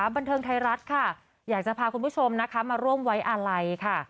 บันเทิงไทยรัฐค่ะอยากจะพาคุณผู้ชมนะคะมาร่วมไว้อาลัยค่ะ